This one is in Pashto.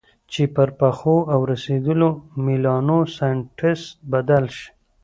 چې پر پخو او رسېدلو میلانوسایټس بدلې شي.